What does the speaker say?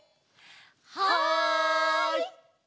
はい！